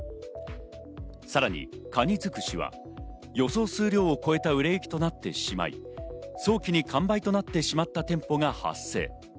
さらにかにづくしは予想数量を超えた売れ行きとなってしまい、早期に完売となってしまった店舗が発生。